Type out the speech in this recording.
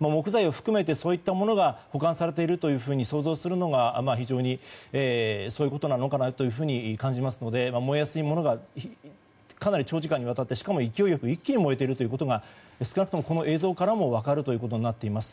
木材を含めて、そういったものが保管されていると想像するのが非常にそういうことなのかなと感じますが燃えやすいものがかなり長時間にわたりしかも勢いよく一気に燃えているということが少なくともこの映像からも分かるということになっています。